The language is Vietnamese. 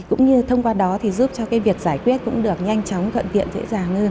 cũng như thông qua đó giúp cho việc giải quyết cũng được nhanh chóng thuận tiện dễ dàng hơn